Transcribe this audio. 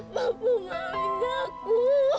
bapu maafkan aku